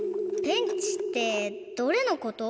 ペンチってどれのこと？